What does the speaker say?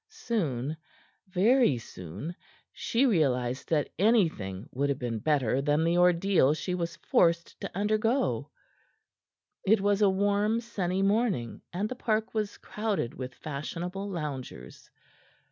Soon very soon she realized that anything would have been better than the ordeal she was forced to undergo. It was a warm, sunny morning, and the park was crowded with fashionable loungers.